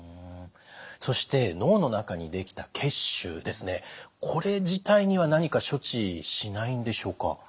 そして脳の中にできた血腫これ自体には何か処置しないんでしょうか？